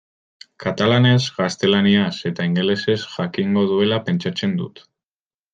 Katalanez, gaztelaniaz eta ingelesez jakingo duela pentsatzen dut.